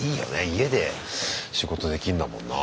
家で仕事できるんだもんな。